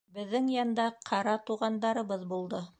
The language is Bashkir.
Беҙҙең янда ҡара туғандарыбыҙ булды.